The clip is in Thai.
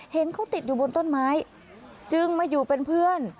เห็นเขาติดอยู่บนต้นไม้จึงมาอยู่เป็นเพื่อน